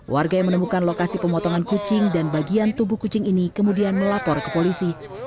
warga yang menemukan lokasi pemotongan kucing dan bagian tubuh kucing ini kemudian melapor ke polisi